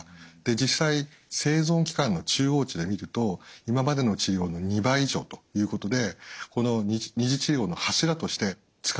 実際生存期間の中央値で見ると今までの治療の２倍以上ということでこの２次治療の柱として使われるようになっています。